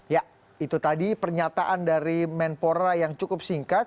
ya itu tadi pernyataan dari menpora yang cukup singkat